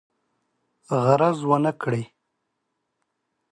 غرض ونه کړي.